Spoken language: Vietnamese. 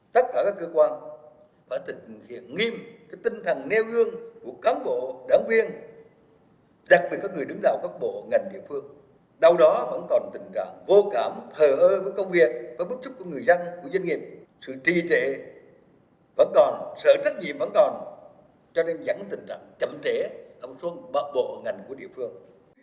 đặc biệt các người đứng đạo các bộ ngành địa phương